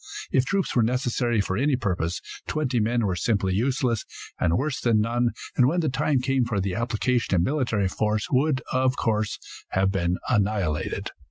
If troops were necessary for any purpose, twenty men were simply useless, and worse than none, and when the time came for the application of military force would, of course, have been annihilated.